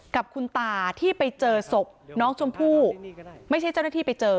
กับคุณตาที่ไปเจอศพน้องชมพู่ไม่ใช่เจ้าหน้าที่ไปเจอ